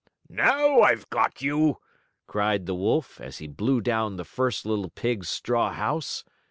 "Now I've got you!" cried the wolf, as he blew down the first little pig's straw house.